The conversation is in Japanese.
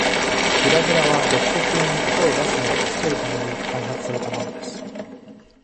グラグラは読書中に音を出すのを助けるために開発されたものです。